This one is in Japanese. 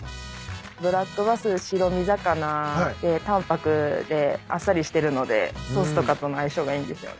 ブラックバス白身魚で淡泊であっさりしてるのでソースとかとの相性がいいんですよ。